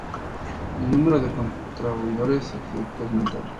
El número de contribuidores al proyecto es ilimitado.